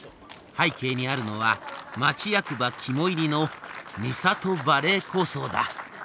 背景にあるのは町役場肝煎りの「美郷バレー構想」だ。